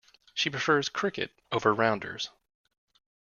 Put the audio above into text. She prefers cricket over rounders.